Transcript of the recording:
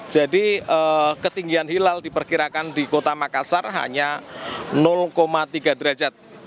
jadi ketinggian hilal diperkirakan di kota makassar hanya tiga derajat